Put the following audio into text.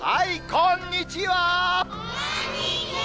こんにちは。